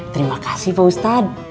terima kasih pak ustadz